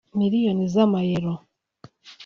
Miliyoni z’Amayero (€